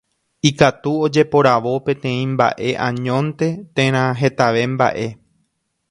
Ikatu ojeporavo peteĩ mbaʼe añónte térã hetave mbaʼe.